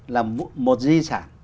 là một di sản